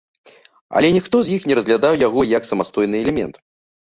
Але ніхто з іх не разглядаў яго як самастойны элемент.